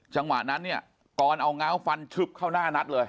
จังหวะนั้นเนี่ยกรเอาง้าวฟันชึบเข้าหน้านัดเลย